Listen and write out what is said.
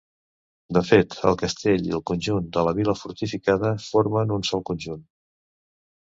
De fet, el castell i el conjunt de la vila fortificada formen un sol conjunt.